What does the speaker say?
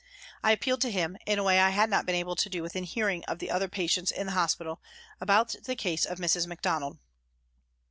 I appealed to him, in a way I had not FROM THE CELLS 191 been able to do within hearing of the other patients in the hospital, about the case of Mrs. Macdonald.